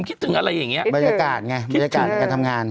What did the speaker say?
คิดถึงอะไรอย่างนี้บริการไงบริการการทำงาน